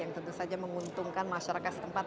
yang tentu saja menguntungkan masyarakat setempat